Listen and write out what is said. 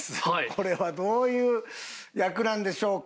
これはどういう役なんでしょうか？